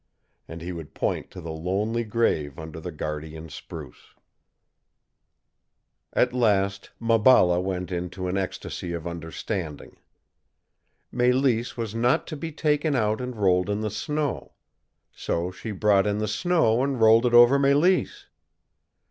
And he would point to the lonely grave under the guardian spruce. At last Maballa went into an ecstasy of understanding. Mélisse was not to be taken out and rolled in the snow; so she brought in the snow and rolled it over Mélisse!